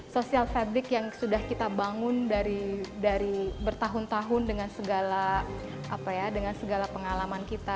sosial fabric yang sudah kita bangun dari bertahun tahun dengan segala pengalaman kita